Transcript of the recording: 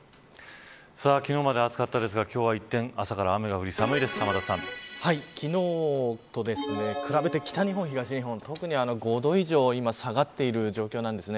昨日まで暑かったですが今日は一転、朝から雨が降り昨日と比べて北日本、東日本特に５度以上、今下がっている状況なんです。